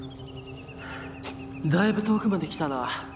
だいぶ遠くまで来たな。